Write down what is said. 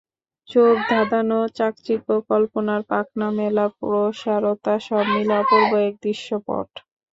চোখধাঁধানো চাকচিক্য, কল্পনার পাখনা-মেলা প্রসারতা, সব মিলে অপূর্ব এক দৃশ্যপট।